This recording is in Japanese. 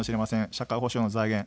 社会保障の財源。